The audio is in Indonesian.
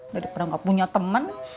daripada gak punya temen